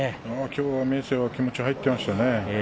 きょうは明生が気持ちが入っていましたね。